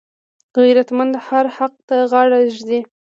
غیرتمند هر حق ته غاړه ږدي